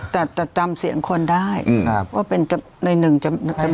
แต่แต่จำเสียงคนได้อืมนะครับว่าเป็นในหนึ่งนิดหนึ่ง